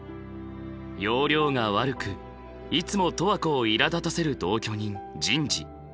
要領が悪くいつも十和子をいらだたせる同居人陣治。